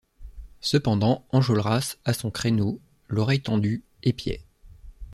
Cependant Enjolras à son créneau, l’oreille tendue, épiait.